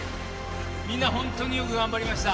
みんな本当によく頑張りました。